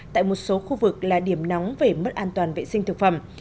tại một số khu vực là điểm nóng về mất an toàn vệ sinh thực phẩm